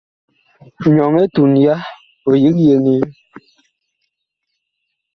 Nyɔŋ etuŋ ya, ɔ yig yeŋee.